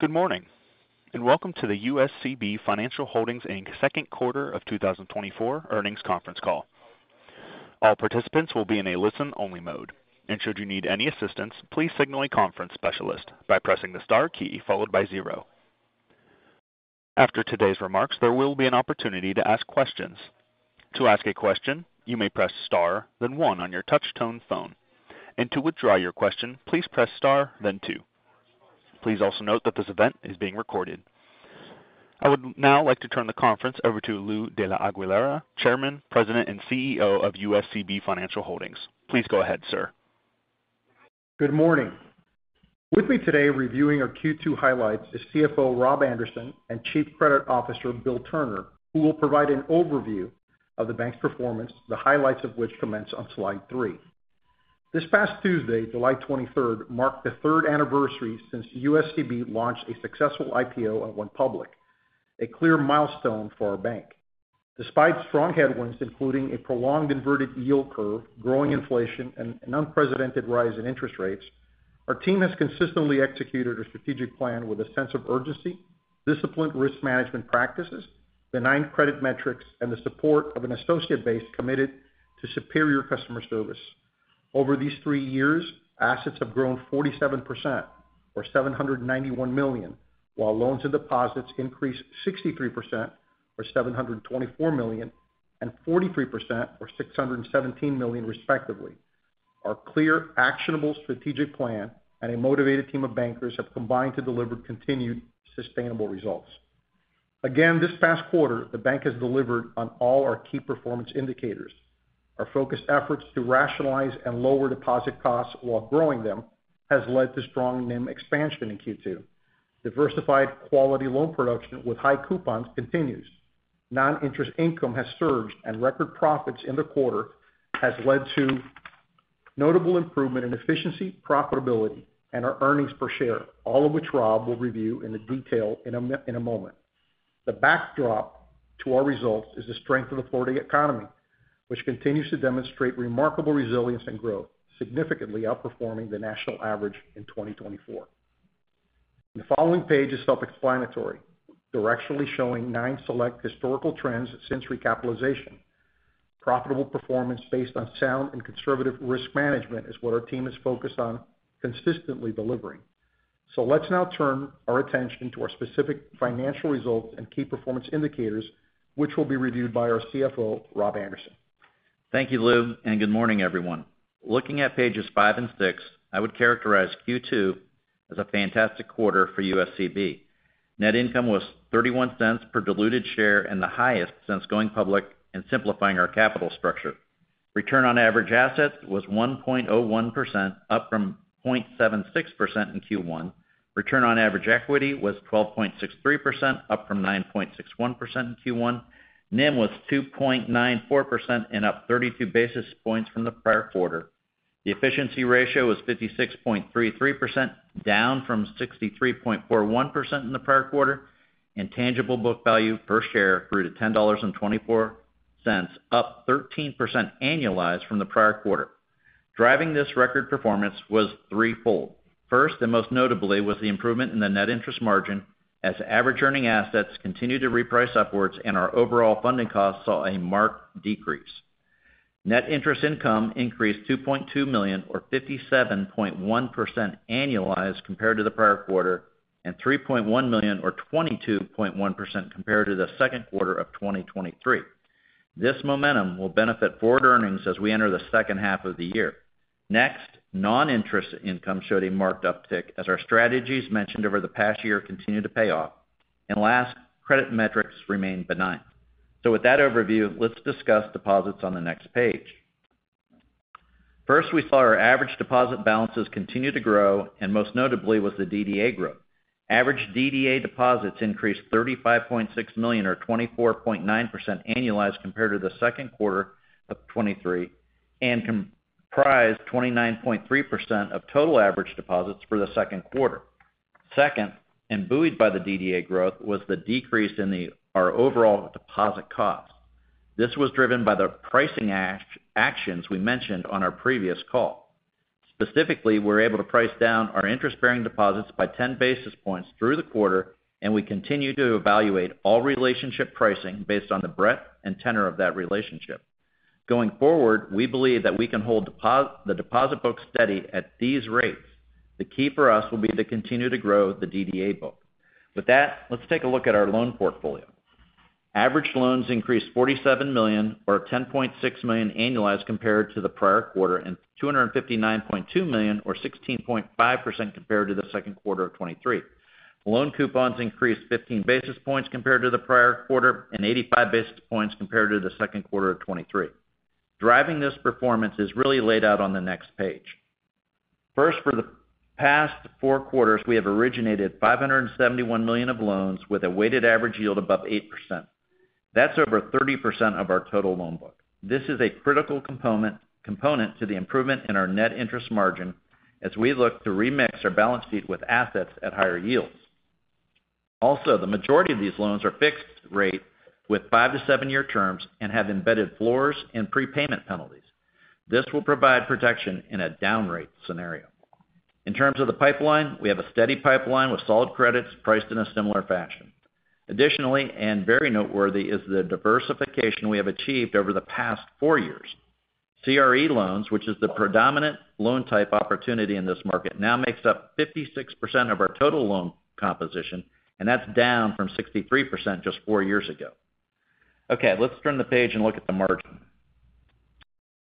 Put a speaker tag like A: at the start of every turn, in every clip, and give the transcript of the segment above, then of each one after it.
A: Good morning, and welcome to the USCB Financial Holdings, Inc. Second Quarter of 2024 earnings conference call. All participants will be in a listen-only mode, and should you need any assistance, please signal a conference specialist by pressing the star key followed by zero. After today's remarks, there will be an opportunity to ask questions. To ask a question, you may press star, then one on your touch-tone phone. To withdraw your question, please press star, then two. Please also note that this event is being recorded. I would now like to turn the conference over to Luis de la Aguilera, Chairman, President, and CEO of USCB Financial Holdings. Please go ahead, sir.
B: Good morning. With me today reviewing our Q2 highlights is CFO Rob Anderson and Chief Credit Officer Bill Turner, who will provide an overview of the bank's performance, the highlights of which commence on slide 3. This past Tuesday, July 23rd, marked the third anniversary since USCB launched a successful IPO and went public, a clear milestone for our bank. Despite strong headwinds, including a prolonged inverted yield curve, growing inflation, and an unprecedented rise in interest rates, our team has consistently executed our strategic plan with a sense of urgency, disciplined risk management practices, benign credit metrics, and the support of an associate base committed to superior customer service. Over these three years, assets have grown 47%, or $791 million, while loans and deposits increased 63%, or $724 million, and 43%, or $617 million, respectively. Our clear, actionable strategic plan and a motivated team of bankers have combined to deliver continued sustainable results. Again, this past quarter, the bank has delivered on all our key performance indicators. Our focused efforts to rationalize and lower deposit costs while growing them have led to strong NIM expansion in Q2. Diversified quality loan production with high coupons continues. Non-interest income has surged, and record profits in the quarter have led to notable improvement in efficiency, profitability, and our earnings per share, all of which Rob will review in detail in a moment. The backdrop to our results is the strength of the Florida economy, which continues to demonstrate remarkable resilience and growth, significantly outperforming the national average in 2024. The following page is self-explanatory, directionally showing nine select historical trends since recapitalization. Profitable performance based on sound and conservative risk management is what our team has focused on consistently delivering. So let's now turn our attention to our specific financial results and key performance indicators, which will be reviewed by our CFO, Rob Anderson.
C: Thank you, Lou, and good morning, everyone. Looking at pages 5 and 6, I would characterize Q2 as a fantastic quarter for USCB. Net income was $0.31 per diluted share and the highest since going public and simplifying our capital structure. Return on average assets was 1.01%, up from 0.76% in Q1. Return on average equity was 12.63%, up from 9.61% in Q1. NIM was 2.94% and up 32 basis points from the prior quarter. The efficiency ratio was 56.33%, down from 63.41% in the prior quarter, and tangible book value per share grew to $10.24, up 13% annualized from the prior quarter. Driving this record performance was threefold. First and most notably was the improvement in the net interest margin as average earning assets continued to reprice upwards and our overall funding costs saw a marked decrease. Net interest income increased $2.2 million, or 57.1% annualized compared to the prior quarter, and $3.1 million, or 22.1% compared to the second quarter of 2023. This momentum will benefit forward earnings as we enter the second half of the year. Next, non-interest income showed a marked uptick as our strategies mentioned over the past year continued to pay off. And last, credit metrics remained benign. So with that overview, let's discuss deposits on the next page. First, we saw our average deposit balances continue to grow, and most notably was the DDA growth. Average DDA deposits increased $35.6 million, or 24.9% annualized compared to the second quarter of 2023, and comprised 29.3% of total average deposits for the second quarter. Second, imbued by the DDA growth was the decrease in our overall deposit costs. This was driven by the pricing actions we mentioned on our previous call. Specifically, we were able to price down our interest-bearing deposits by 10 basis points through the quarter, and we continue to evaluate all relationship pricing based on the breadth and tenor of that relationship. Going forward, we believe that we can hold the deposit book steady at these rates. The key for us will be to continue to grow the DDA book. With that, let's take a look at our loan portfolio. Average loans increased $47 million, or $10.6 million annualized compared to the prior quarter, and $259.2 million, or 16.5% compared to the second quarter of 2023. Loan coupons increased 15 basis points compared to the prior quarter, and 85 basis points compared to the second quarter of 2023. Driving this performance is really laid out on the next page. First, for the past four quarters, we have originated $571 million of loans with a weighted average yield above 8%. That's over 30% of our total loan book. This is a critical component to the improvement in our net interest margin as we look to remix our balance sheet with assets at higher yields. Also, the majority of these loans are fixed rate with five- to seven-year terms and have embedded floors and prepayment penalties. This will provide protection in a down rate scenario. In terms of the pipeline, we have a steady pipeline with solid credits priced in a similar fashion. Additionally, and very noteworthy, is the diversification we have achieved over the past four years. CRE loans, which is the predominant loan type opportunity in this market, now makes up 56% of our total loan composition, and that's down from 63% just four years ago. Okay, let's turn the page and look at the margin.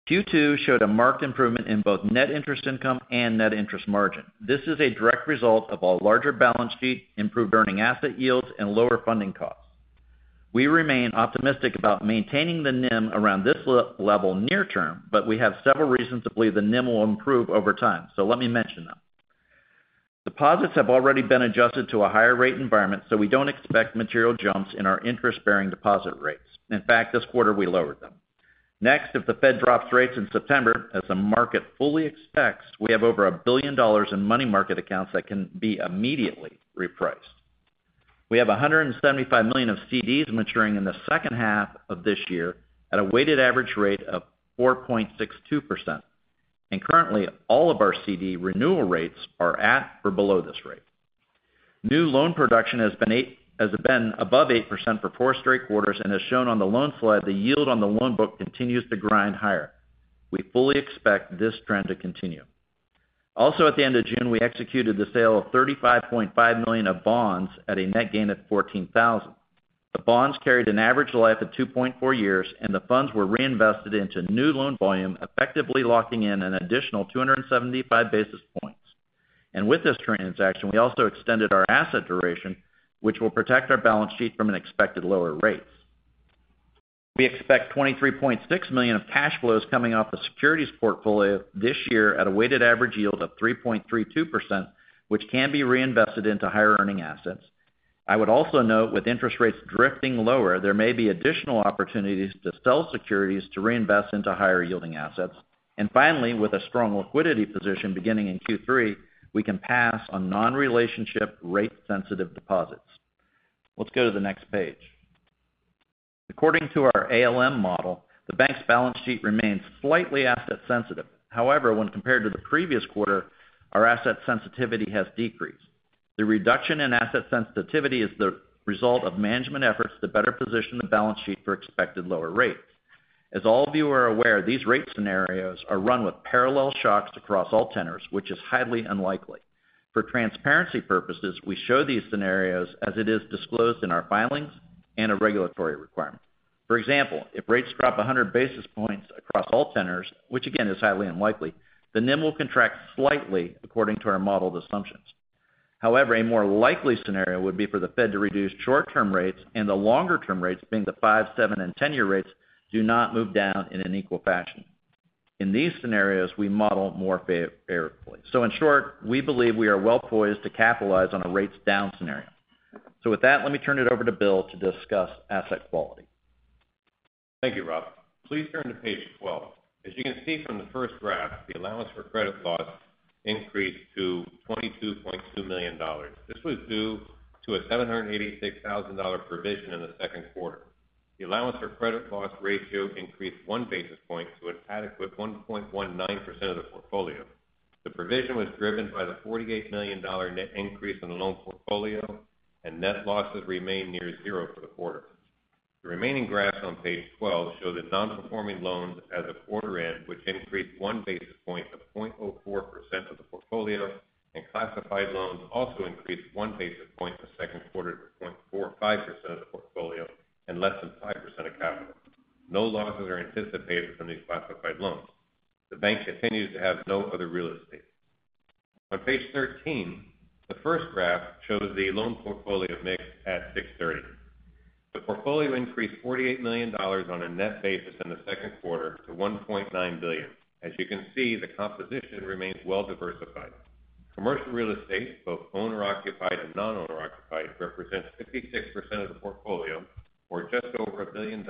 C: Q2 showed a marked improvement in both net interest income and net interest margin. This is a direct result of our larger balance sheet, improved earning asset yields, and lower funding costs. We remain optimistic about maintaining the NIM around this level near term, but we have several reasons to believe the NIM will improve over time, so let me mention them. Deposits have already been adjusted to a higher rate environment, so we don't expect material jumps in our interest-bearing deposit rates. In fact, this quarter we lowered them. Next, if the Fed drops rates in September, as the market fully expects, we have over $1 billion in money market accounts that can be immediately repriced. We have $175 million of CDs maturing in the second half of this year at a weighted average rate of 4.62%. Currently, all of our CD renewal rates are at or below this rate. New loan production has been above 8% for four straight quarters, and as shown on the loan slide, the yield on the loan book continues to grind higher. We fully expect this trend to continue. Also, at the end of June, we executed the sale of $35.5 million of bonds at a net gain of $14,000. The bonds carried an average life of 2.4 years, and the funds were reinvested into new loan volume, effectively locking in an additional 275 basis points. With this transaction, we also extended our asset duration, which will protect our balance sheet from unexpected lower rates. We expect $23.6 million of cash flows coming off the securities portfolio this year at a weighted average yield of 3.32%, which can be reinvested into higher earning assets. I would also note, with interest rates drifting lower, there may be additional opportunities to sell securities to reinvest into higher yielding assets. And finally, with a strong liquidity position beginning in Q3, we can pass on non-relationship rate-sensitive deposits. Let's go to the next page. According to our ALM model, the bank's balance sheet remains slightly asset-sensitive. However, when compared to the previous quarter, our asset sensitivity has decreased. The reduction in asset sensitivity is the result of management efforts to better position the balance sheet for expected lower rates. As all of you are aware, these rate scenarios are run with parallel shocks across all tenors, which is highly unlikely. For transparency purposes, we show these scenarios as it is disclosed in our filings and a regulatory requirement. For example, if rates drop 100 basis points across all tenors, which again is highly unlikely, the NIM will contract slightly according to our modeled assumptions. However, a more likely scenario would be for the Fed to reduce short-term rates, and the longer-term rates, being the 5, 7, and 10-year rates, do not move down in an equal fashion. In these scenarios, we model more fairly. So in short, we believe we are well poised to capitalize on a rates down scenario. So with that, let me turn it over to Bill to discuss asset quality.
D: Thank you, Rob. Please turn to page 12. As you can see from the first graph, the allowance for credit loss increased to $22.2 million. This was due to a $786,000 provision in the second quarter. The allowance for credit loss ratio increased one basis point to an adequate 1.19% of the portfolio. The provision was driven by the $48 million net increase in the loan portfolio, and net losses remained near zero for the quarter. The remaining graphs on page 12 show the non-performing loans at quarter end, which increased one basis point to 0.04% of the portfolio, and classified loans also increased one basis point in the second quarter to 0.45% of the portfolio and less than 5% of capital. No losses are anticipated from these classified loans. The bank continues to have no other real estate. On page 13, the first graph shows the loan portfolio mix at 6/30. The portfolio increased $48 million on a net basis in the second quarter to $1.9 billion. As you can see, the composition remains well diversified. Commercial real estate, both owner-occupied and non-owner-occupied, represents 56% of the portfolio, or just over $1 billion,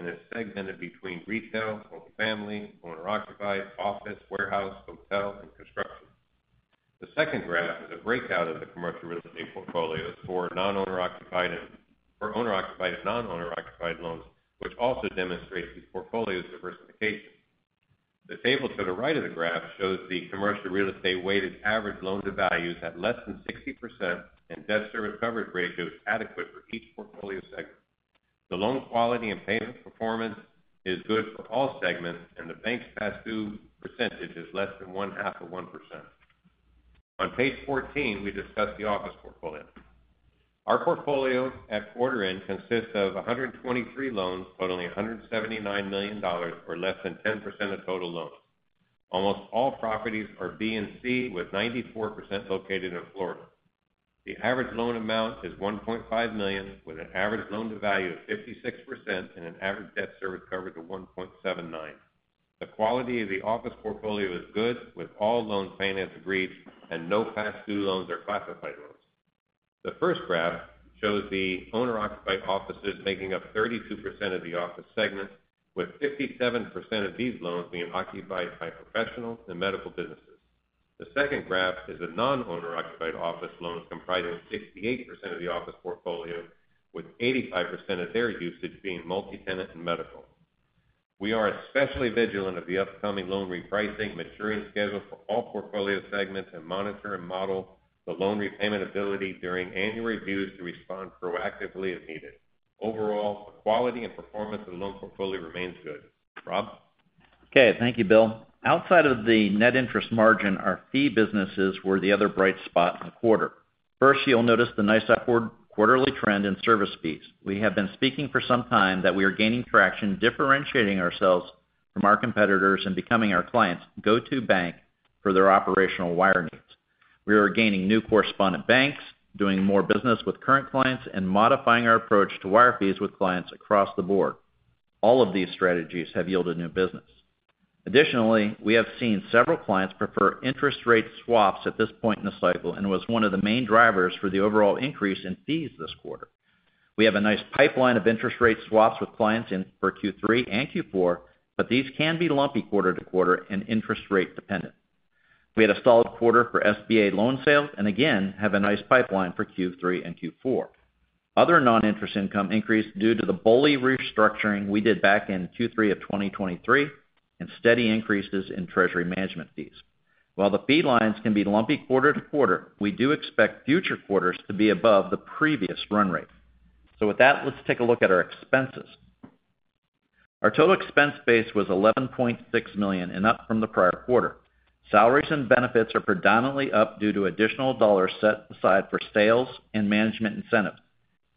D: and is segmented between retail, multifamily, owner-occupied, office, warehouse, hotel, and construction. The second graph is a breakout of the commercial real estate portfolios for owner-occupied and non-owner-occupied loans, which also demonstrates the portfolio's diversification. The table to the right of the graph shows the commercial real estate weighted average loan-to-values at less than 60%, and debt service coverage ratio is adequate for each portfolio segment. The loan quality and payment performance is good for all segments, and the bank's past due percentage is less than 0.5%. On page 14, we discuss the office portfolio. Our portfolio at quarter end consists of 123 loans totaling $179 million, or less than 10% of total loans. Almost all properties are B and C, with 94% located in Florida. The average loan amount is $1.5 million, with an average loan-to-value of 56% and an average debt service coverage of 1.79. The quality of the office portfolio is good, with all loans paying as agreed, and no past due loans or classified loans. The first graph shows the owner-occupied offices making up 32% of the office segment, with 57% of these loans being occupied by professional and medical businesses. The second graph is the non-owner-occupied office loans comprising 68% of the office portfolio, with 85% of their usage being multi-tenant and medical. We are especially vigilant of the upcoming loan repricing maturing schedule for all portfolio segments and monitor and model the loan repayment ability during annual reviews to respond proactively if needed. Overall, the quality and performance of the loan portfolio remains good. Rob?
C: Okay, thank you, Bill. Outside of the net interest margin, our fee businesses were the other bright spot in the quarter. First, you'll notice the nice upward quarterly trend in service fees. We have been speaking for some time that we are gaining traction, differentiating ourselves from our competitors and becoming our client's go-to bank for their operational wire needs. We are gaining new correspondent banks, doing more business with current clients, and modifying our approach to wire fees with clients across the board. All of these strategies have yielded new business. Additionally, we have seen several clients prefer interest rate swaps at this point in the cycle and was one of the main drivers for the overall increase in fees this quarter. We have a nice pipeline of interest rate swaps with clients in for Q3 and Q4, but these can be lumpy quarter to quarter and interest rate dependent. We had a solid quarter for SBA loan sales and again have a nice pipeline for Q3 and Q4. Other non-interest income increased due to the BOLI restructuring we did back in Q3 of 2023 and steady increases in treasury management fees. While the fee lines can be lumpy quarter to quarter, we do expect future quarters to be above the previous run rate. So with that, let's take a look at our expenses. Our total expense base was $11.6 million and up from the prior quarter. Salaries and benefits are predominantly up due to additional dollars set aside for sales and management incentives.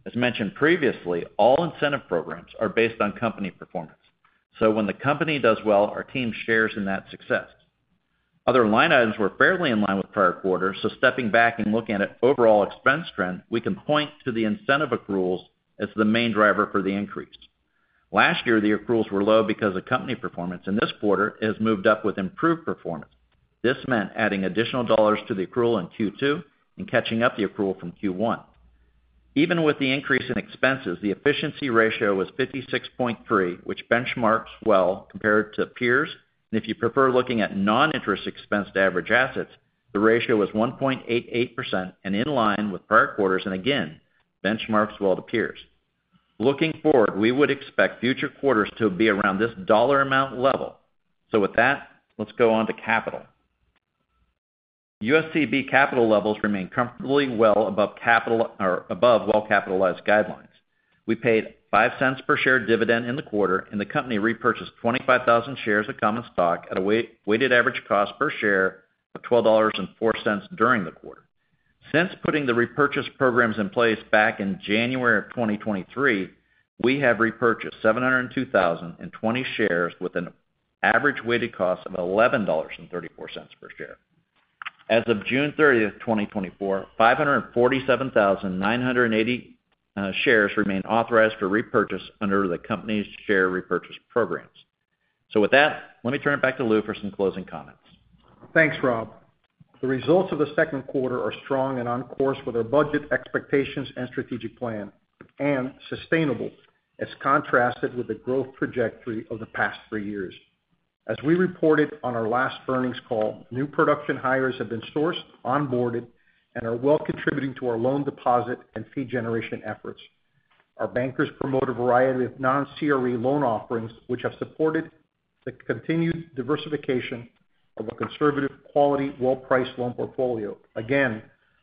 C: As mentioned previously, all incentive programs are based on company performance. So when the company does well, our team shares in that success. Other line items were fairly in line with prior quarters, so stepping back and looking at overall expense trend, we can point to the incentive accruals as the main driver for the increase. Last year, the accruals were low because of company performance, and this quarter has moved up with improved performance. This meant adding additional dollars to the accrual in Q2 and catching up the accrual from Q1. Even with the increase in expenses, the efficiency Ratio was 56.3, which benchmarks well compared to peers. If you prefer looking at non-interest expense to average assets, the ratio was 1.88% and in line with prior quarters, and again, benchmarks well to peers. Looking forward, we would expect future quarters to be around this dollar amount level. With that, let's go on to capital. USCB capital levels remain comfortably well above well-capitalized guidelines. We paid $0.05 per share dividend in the quarter, and the company repurchased 25,000 shares of common stock at a weighted average cost per share of $12.04 during the quarter. Since putting the repurchase programs in place back in January of 2023, we have repurchased 702,020 shares with an average weighted cost of $11.34 per share. As of June 30th, 2024, 547,980 shares remain authorized for repurchase under the company's share repurchase programs. With that, let me turn it back to Lou for some closing comments.
B: Thanks, Rob. The results of the second quarter are strong and on course with our budget expectations and strategic plan, and sustainable as contrasted with the growth trajectory of the past three years. As we reported on our last earnings call, new production hires have been sourced, onboarded, and are well contributing to our loan deposit and fee generation efforts. Our bankers promote a variety of non-CRE loan offerings, which have supported the continued diversification of a conservative, quality, well-priced loan portfolio. Again,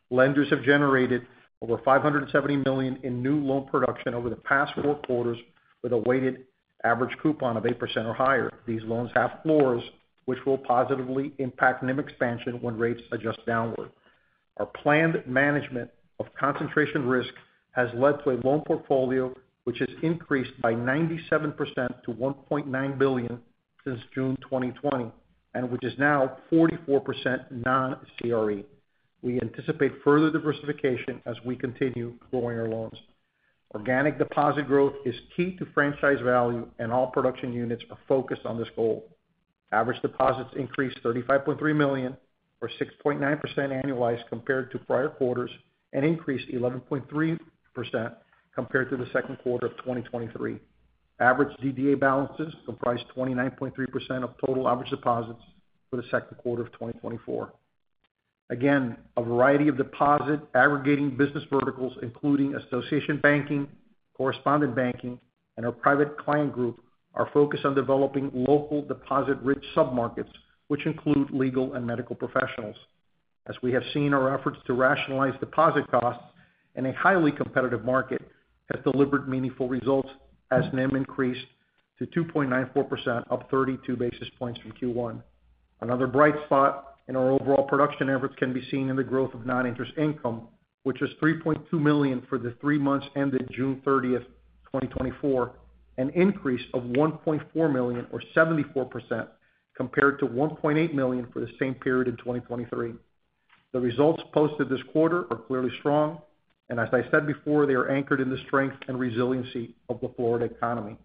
B: lenders have generated over $570 million in new loan production over the past four quarters with a weighted average coupon of 8% or higher. These loans have floors, which will positively impact NIM expansion when rates adjust downward. Our planned management of concentration risk has led to a loan portfolio which has increased by 97% to $1.9 billion since June 2020, and which is now 44% non-CRE. We anticipate further diversification as we continue growing our loans. Organic deposit growth is key to franchise value, and all production units are focused on this goal. Average deposits increased $35.3 million or 6.9% annualized compared to prior quarters and increased 11.3% compared to the second quarter of 2023. Average DDA balances comprise 29.3% of total average deposits for the second quarter of 2024. Again, a variety of deposit aggregating business verticals, including association banking, correspondent banking, and our private client group, are focused on developing local deposit-rich sub-markets, which include legal and medical professionals. As we have seen, our efforts to rationalize deposit costs in a highly competitive market have delivered meaningful results as NIM increased to 2.94%, up 32 basis points from Q1. Another bright spot in our overall production efforts can be seen in the growth of non-interest income, which is $3.2 million for the three months ended June 30th, 2024, an increase of $1.4 million or 74% compared to $1.8 million for the same period in 2023. The results posted this quarter are clearly strong, and as I said before, they are anchored in the strength and resiliency of the Florida economy.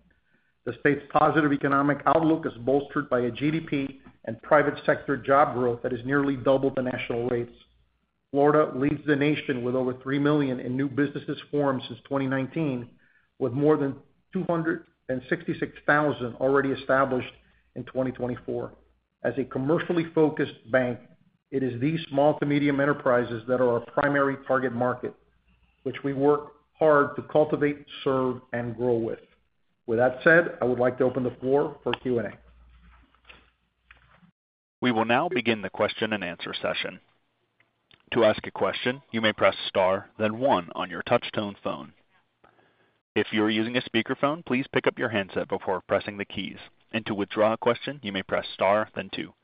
B: The state's positive economic outlook is bolstered by a GDP and private sector job growth that has nearly doubled the national rates. Florida leads the nation with over 3 million in new businesses formed since 2019, with more than 266,000 already established in 2024. As a commercially focused bank, it is these small to medium enterprises that are our primary target market, which we work hard to cultivate, serve, and grow with. With that said, I would like to open the floor for Q&A.
A: We will now begin the question and answer session. To ask a question, you may press star, then one on your touch-tone phone. If you are using a speakerphone, please pick up your handset before pressing the keys. To withdraw a question, you may press star, then two.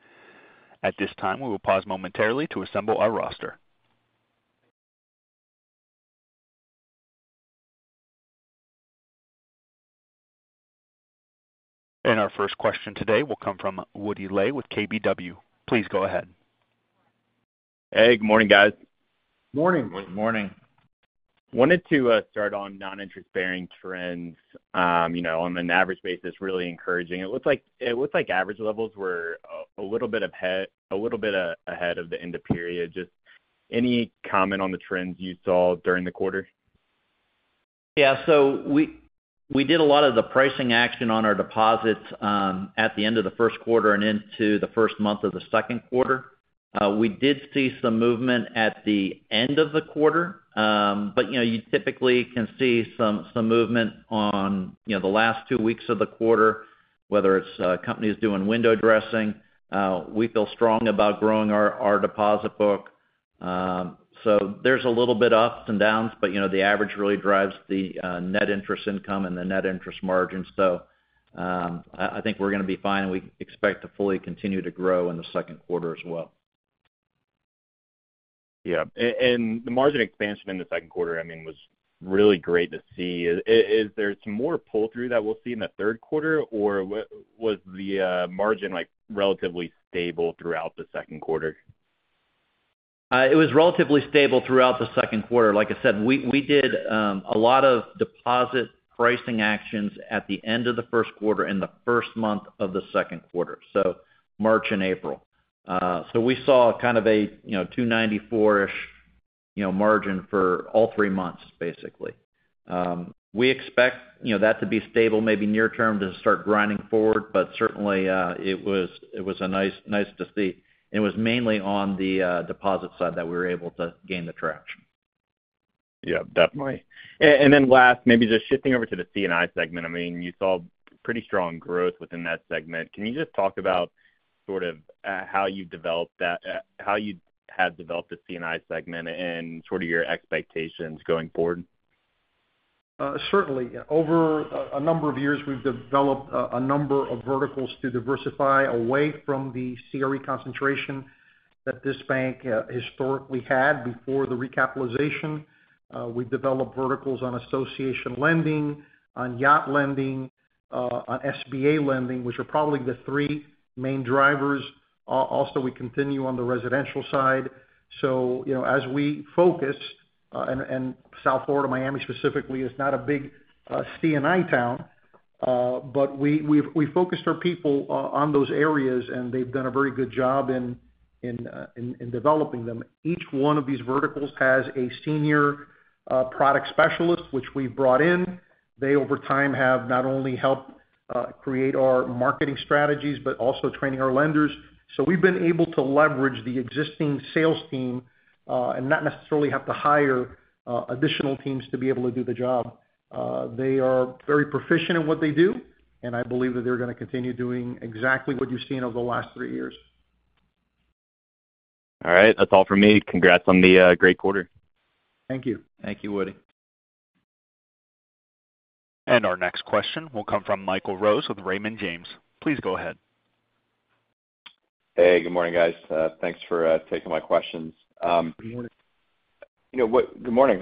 A: At this time, we will pause momentarily to assemble our roster. Our first question today will come from Woody Lay with KBW. Please go ahead.
E: Hey, good morning, guys.
D: Morning.
E: Morning. Wanted to start on non-interest-bearing trends. On an average basis, really encouraging. It looks like average levels were a little bit ahead of the end of period. Just any comment on the trends you saw during the quarter?
C: Yeah. So we did a lot of the pricing action on our deposits at the end of the first quarter and into the first month of the second quarter. We did see some movement at the end of the quarter, but you typically can see some movement on the last two weeks of the quarter, whether it's companies doing window dressing. We feel strong about growing our deposit book. So there's a little bit of ups and downs, but the average really drives the net interest income and the net interest margin. So I think we're going to be fine, and we expect to fully continue to grow in the second quarter as well.
E: Yeah. And the margin expansion in the second quarter, I mean, was really great to see. Is there some more pull-through that we'll see in the third quarter, or was the margin relatively stable throughout the second quarter?
C: It was relatively stable throughout the second quarter. Like I said, we did a lot of deposit pricing actions at the end of the first quarter and the first month of the second quarter, so March and April. So we saw kind of a 294-ish margin for all three months, basically. We expect that to be stable maybe near term to start grinding forward, but certainly, it was nice to see. It was mainly on the deposit side that we were able to gain the traction.
E: Yeah, definitely. And then last, maybe just shifting over to the C&I segment. I mean, you saw pretty strong growth within that segment. Can you just talk about sort of how you developed that, how you had developed the C&I segment, and sort of your expectations going forward?
B: Certainly. Over a number of years, we've developed a number of verticals to diversify away from the CRE concentration that this bank historically had before the recapitalization. We've developed verticals on association lending, on yacht lending, on SBA lending, which are probably the three main drivers. Also, we continue on the residential side. So as we focus, and South Florida, Miami specifically, is not a big C&I town, but we focused our people on those areas, and they've done a very good job in developing them. Each one of these verticals has a senior product specialist, which we've brought in. They, over time, have not only helped create our marketing strategies but also training our lenders. So we've been able to leverage the existing sales team and not necessarily have to hire additional teams to be able to do the job. They are very proficient in what they do, and I believe that they're going to continue doing exactly what you've seen over the last three years.
E: All right. That's all for me. Congrats on the great quarter.
B: Thank you.
C: Thank you, Woody.
A: Our next question will come from Michael Rose with Raymond James. Please go ahead.
F: Hey, good morning, guys. Thanks for taking my questions.
B: Good morning.
F: Good morning.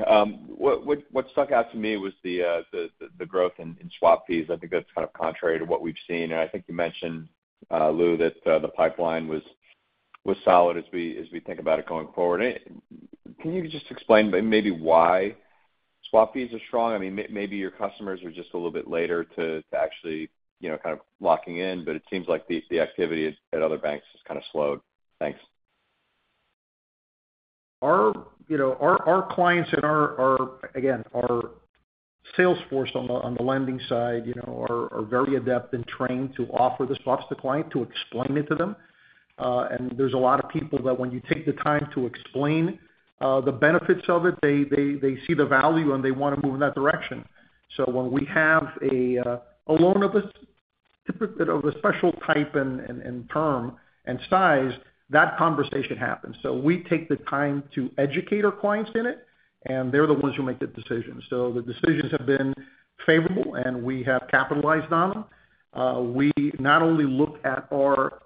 F: What stuck out to me was the growth in swap fees. I think that's kind of contrary to what we've seen. I think you mentioned, Lou, that the pipeline was solid as we think about it going forward. Can you just explain maybe why swap fees are strong? I mean, maybe your customers are just a little bit later to actually kind of locking in, but it seems like the activity at other banks has kind of slowed. Thanks.
B: Our clients and, again, our salesforce on the lending side are very adept and trained to offer the swaps to clients to explain it to them. And there's a lot of people that when you take the time to explain the benefits of it, they see the value, and they want to move in that direction. So when we have a loan of a special type and term and size, that conversation happens. So we take the time to educate our clients in it, and they're the ones who make the decisions. So the decisions have been favorable, and we have capitalized on them. We not only look at our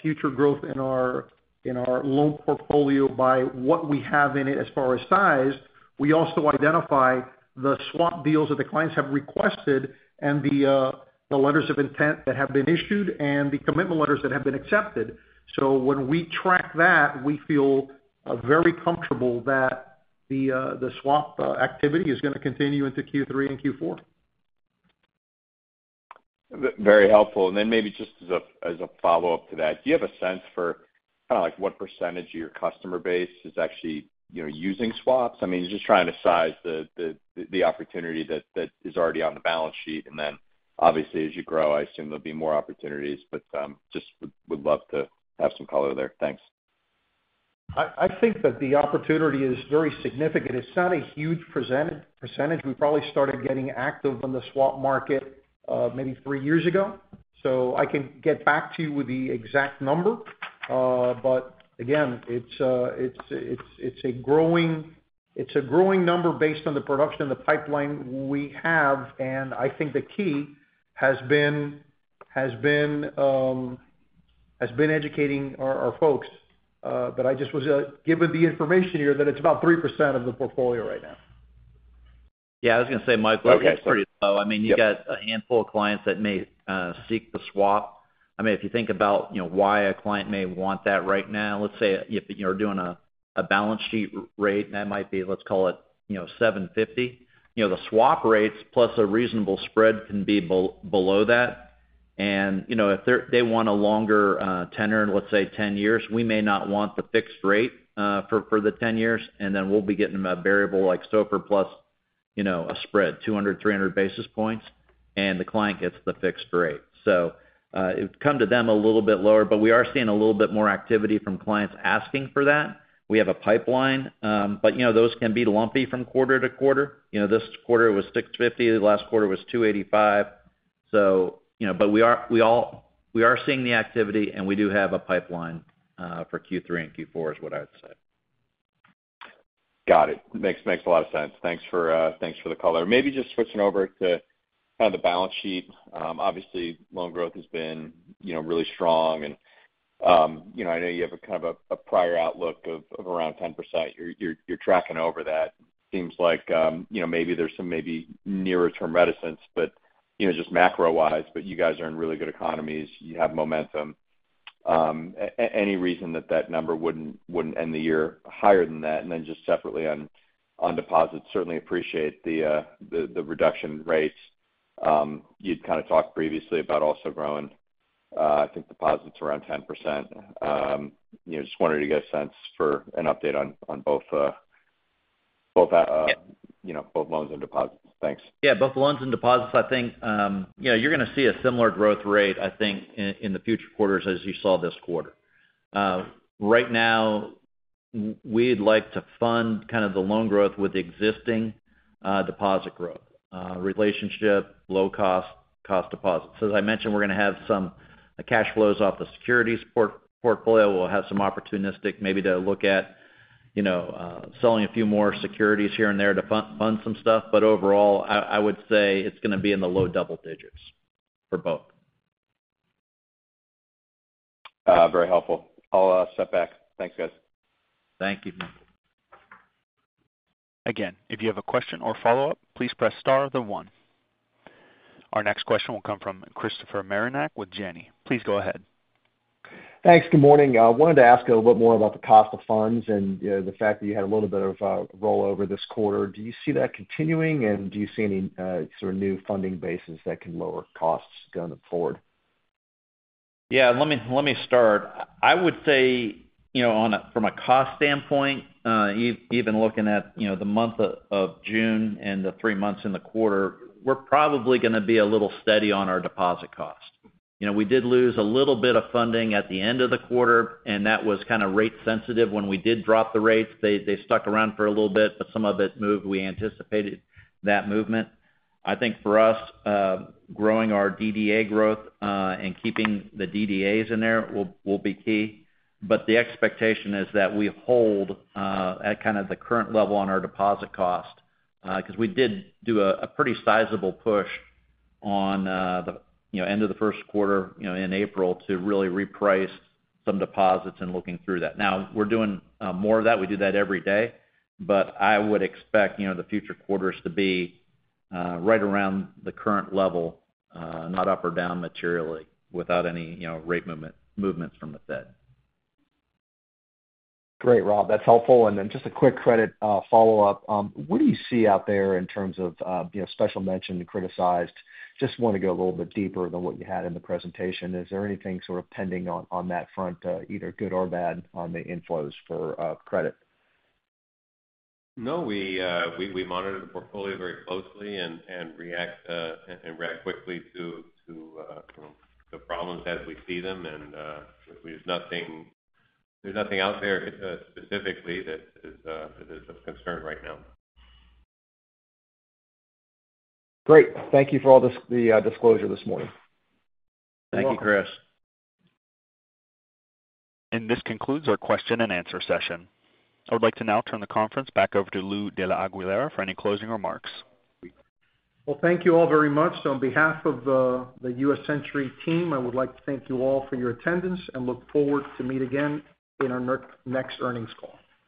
B: future growth in our loan portfolio by what we have in it as far as size, we also identify the swap deals that the clients have requested and the letters of intent that have been issued and the commitment letters that have been accepted. So when we track that, we feel very comfortable that the swap activity is going to continue into Q3 and Q4.
F: Very helpful. And then maybe just as a follow-up to that, do you have a sense for kind of what percentage of your customer base is actually using swaps? I mean, just trying to size the opportunity that is already on the balance sheet. And then, obviously, as you grow, I assume there'll be more opportunities, but just would love to have some color there. Thanks.
B: I think that the opportunity is very significant. It's not a huge percentage. We probably started getting active in the swap market maybe 3 years ago. So I can get back to you with the exact number. But again, it's a growing number based on the production and the pipeline we have. And I think the key has been educating our folks. But I just was given the information here that it's about 3% of the portfolio right now.
C: Yeah, I was going to say, Michael, it's pretty low. I mean, you got a handful of clients that may seek the swap. I mean, if you think about why a client may want that right now, let's say if you're doing a balance sheet rate, that might be, let's call it, 750. The swap rates plus a reasonable spread can be below that. And if they want a longer tenor, let's say 10 years, we may not want the fixed rate for the 10 years. And then we'll be getting a variable like SOFR plus a spread, 200, 300 basis points, and the client gets the fixed rate. So it would come to them a little bit lower, but we are seeing a little bit more activity from clients asking for that. We have a pipeline, but those can be lumpy from quarter to quarter. This quarter it was 650. The last quarter it was 285. But we are seeing the activity, and we do have a pipeline for Q3 and Q4 is what I would say.
F: Got it. Makes a lot of sense. Thanks for the color. Maybe just switching over to kind of the balance sheet. Obviously, loan growth has been really strong. And I know you have kind of a prior outlook of around 10%. You're tracking over that. Seems like maybe there's some maybe nearer-term reticence, but just macro-wise, but you guys are in really good economies. You have momentum. Any reason that that number wouldn't end the year higher than that? And then just separately on deposits, certainly appreciate the reduction rates. You'd kind of talked previously about also growing. I think deposits around 10%. Just wanted to get a sense for an update on both loans and deposits. Thanks.
C: Yeah, both loans and deposits, I think you're going to see a similar growth rate, I think, in the future quarters as you saw this quarter. Right now, we'd like to fund kind of the loan growth with existing deposit growth relationship, low-cost core deposits. So as I mentioned, we're going to have some cash flows off the securities portfolio. We'll have some opportunistic, maybe, to look at selling a few more securities here and there to fund some stuff. But overall, I would say it's going to be in the low double digits for both.
F: Very helpful. I'll step back. Thanks, guys.
C: Thank you, Michael.
A: Again, if you have a question or follow-up, please press star one. Our next question will come from Christopher Marinac with Janney. Please go ahead.
G: Thanks. Good morning. I wanted to ask a little bit more about the cost of funds and the fact that you had a little bit of a rollover this quarter. Do you see that continuing, and do you see any sort of new funding basis that can lower costs going forward?
C: Yeah, let me start. I would say from a cost standpoint, even looking at the month of June and the three months in the quarter, we're probably going to be a little steady on our deposit cost. We did lose a little bit of funding at the end of the quarter, and that was kind of rate-sensitive. When we did drop the rates, they stuck around for a little bit, but some of it moved. We anticipated that movement. I think for us, growing our DDA growth and keeping the DDAs in there will be key. But the expectation is that we hold at kind of the current level on our deposit cost because we did do a pretty sizable push on the end of the first quarter in April to really reprice some deposits and looking through that. Now, we're doing more of that. We do that every day. But I would expect the future quarters to be right around the current level, not up or down materially without any rate movements from the Fed.
G: Great, Rob. That's helpful. And then just a quick credit follow-up. What do you see out there in terms of special mention and criticized? Just want to go a little bit deeper than what you had in the presentation. Is there anything sort of pending on that front, either good or bad, on the inflows for credit?
B: No, we monitor the portfolio very closely and react quickly to the problems as we see them. There's nothing out there specifically that is of concern right now.
G: Great. Thank you for all the disclosure this morning.
C: Thank you, Chris.
A: This concludes our question-and-answer session. I would like to now turn the conference back over to Lou de la Aguilera for any closing remarks.
B: Well, thank you all very much. On behalf of the USCB team, I would like to thank you all for your attendance and look forward to meeting again in our next earnings call.